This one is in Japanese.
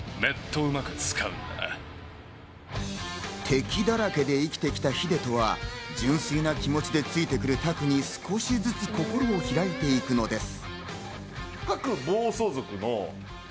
敵だらけで生きてきた秀人は純粋な気持ちでついてくる拓に少しずつ、心を開いていくのです。